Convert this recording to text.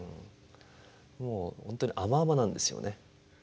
もう本当に甘々なんですよね。